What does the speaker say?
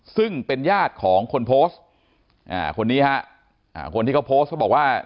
ซึ่งเป็นญาติของคนโพสต์คนที่เขาโพสต์ก็บอกว่า